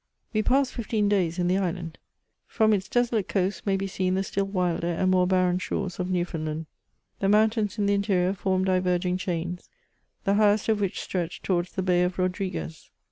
We passed fifteen days in the island. From its desolate coasts may be seen the still wilder and more barren shores of Newfound land. The mountains in the interior form diverging chains, the highest of which stretch towards the Bay of Rodrigues.